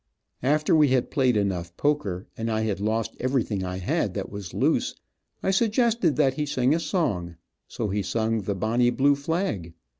After we had played enough poker, and I had lost everything I had that was loose, I suggested that he sing a song, so he sung the "Bonnie Blue Flag."